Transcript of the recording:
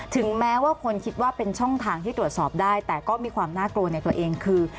ถึงแม้ว่าคนคิดว่าเป็นช่องทางที่ตรวจสอบได้แต่ก็มีความน่ากลัวในตัวเองคือ